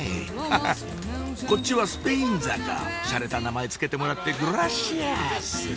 ハハっこっちはスペイン坂しゃれた名前付けてもらってグラシアス！